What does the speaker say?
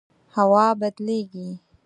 هوا بدلیږي